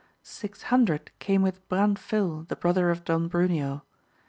Six hundred came with Branfil the brother of Don Bruneo.